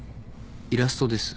イラストです。